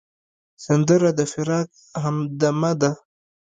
سندره د فراق همدمه ده